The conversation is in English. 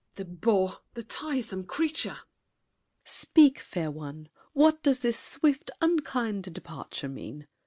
The bore! the tiresome creature! SAVERNY. Speak, fair one! What does this swift, unkind departure mean?